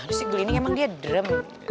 ini sih beli ini emang dia drem